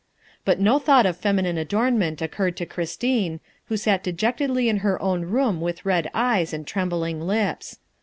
But no thought of feminine adornment occurred to Christine, who sat dejectedly in her own room with red eyes and trembling lips.